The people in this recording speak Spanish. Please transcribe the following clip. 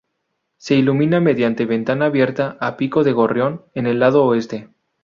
Se ilumina mediante ventana abierta ""a pico de gorrión"" en el lado oeste.